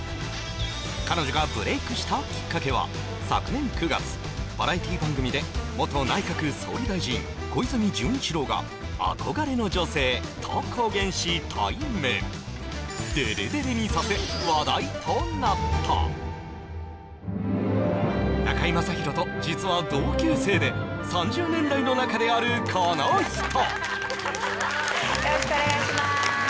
彼女がブレイクしたきっかけは昨年９月バラエティ番組で元内閣総理大臣小泉純一郎が「憧れの女性」と公言し対面デレデレにさせ話題となった中居正広と実は同級生で３０年来の仲であるこの人よろしくお願いしまーす